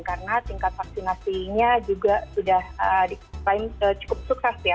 karena tingkat vaksinasinya juga sudah cukup sukses ya